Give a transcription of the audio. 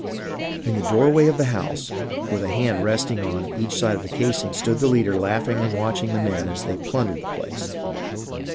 In the doorway of the house, with a hand resting on each side of the casing, stood the leader laughingly watching the men as they plundered the place.